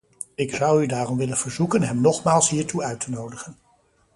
Ik zou u daarom willen verzoeken hem nogmaals hiertoe uit te nodigen.